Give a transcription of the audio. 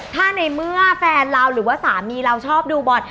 ถ้าในเมื่อแฟนเราหรือว่าสามีเราชอบดูบอล